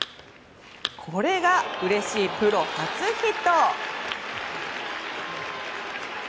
これがうれしいプロ初ヒット。